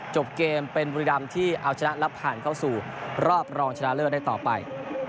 จบเกมเป็นบุรีรำที่เอาชนะและผ่านเข้าสู่รอบรองชนะเลิศได้ต่อไป